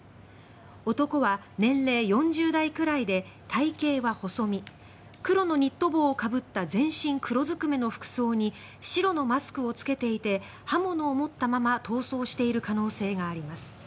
男は年齢４０代くらいで体形は細身黒のニット帽をかぶった全身黒ずくめの服装に白のマスクを着けていて刃物を持ったまま逃走している可能性があります。